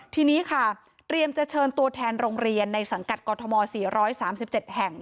ทีนี้ค่ะเตรียมจะเชิญตัวแทนโรงเรียนในสังกัดกรทม๔๓๗แห่ง